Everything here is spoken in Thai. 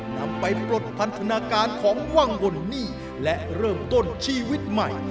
นำไปปลดพันธนาการของว่างบนหนี้และเริ่มต้นชีวิตใหม่